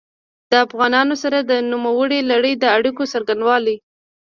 د افغانانو سره د نوموړي لړیو د اړیکو څرنګوالي.